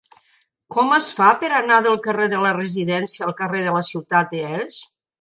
Com es fa per anar del carrer de la Residència al carrer de la Ciutat d'Elx?